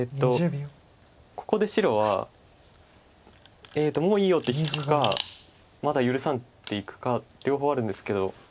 ここで白は「もういいよ」って引くか「まだ許さん」っていくか両方あるんですけど。